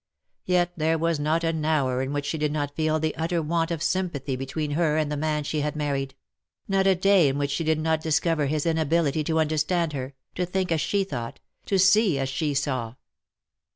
Yet there was not an hour in which she did not feel the utter want of sympathy between her and the man she had married — not a day in which she did not dis cover his inability to understand her, to think as she thought, to see as she saw.